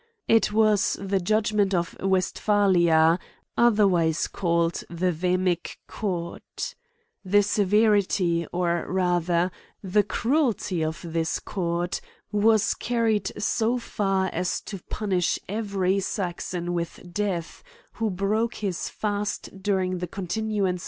It was the judgment of Westpha lia, otherwise called the " Vhemic Court, ^^ The severity, or rather, the cruelty of this Court, was carried so far as to punish every Saxon with death, who broke his fast during the continuance CRIMES AND PUNISHMENTS.